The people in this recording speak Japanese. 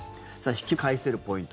引き返せるポイント